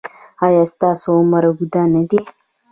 ایا ستاسو عمر اوږد نه دی؟